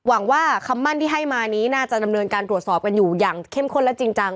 หวังว่าคำมั่นที่ให้มานี้น่าจะดำเนินการตรวจสอบกันอยู่อย่างเข้มข้นและจริงจัง